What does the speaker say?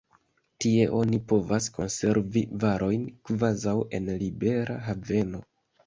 Tie oni povas konservi varojn kvazaŭ en libera haveno.